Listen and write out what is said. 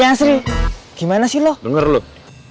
hai yuk kita keliling aja yuk